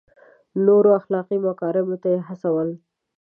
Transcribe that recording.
نورو اخلاقي مکارمو ته یې هڅول.